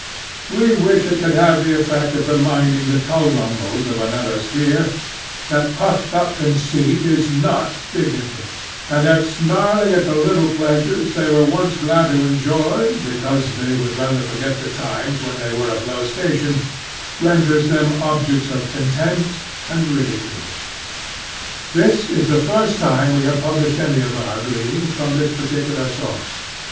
We wish it could have the effect of reminding the Tulrumbles of another sphere, that puffed up conceit is not dignity, and that snarling at the little pleasures they were once glad to enjoy, because they would rather forget the times when they were of lower station, renders them objects of contempt and ridicule. This is the first time we have published any of our gleanings from this particular source.